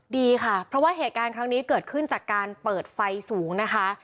ดีค่ะเพราะว่าเหตุการณ์ครั้งนี้เกิดขึ้นจากการเปิดไฟสูงนะคะ